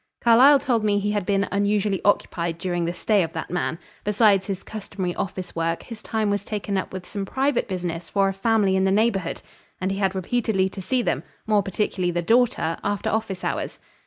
"Carlyle told me he had been unusually occupied during the stay of that man. Besides his customary office work, his time was taken up with some private business for a family in the neighborhood, and he had repeatedly to see them, more particularly the daughter, after office hours.